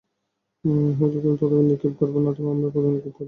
হয় তুমি প্রথমে নিক্ষেপ কর, নতুবা আমরাই প্রথমে নিক্ষেপ করি।